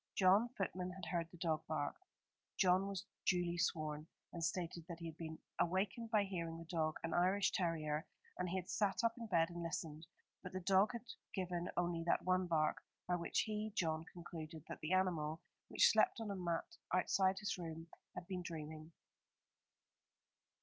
John, footman, had heard the dog bark. John was duly sworn, and stated that he had been awakened by hearing the dog, an Irish terrier, and he had sat up in bed and listened; but the dog had given only that one bark, by which he, John, concluded that the animal, which slept on a mat outside his room, had been dreaming.